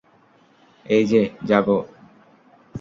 এইযে, জাগো।